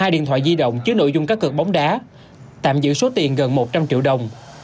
hai điện thoại di động chứa nội dung các cực bóng đá tạm giữ số tiền gần một trăm linh triệu đồng